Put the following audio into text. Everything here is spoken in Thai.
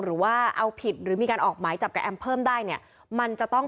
หรือว่าเอาผิดหรือมีการออกหมายจับกับแอมเพิ่มได้เนี่ยมันจะต้อง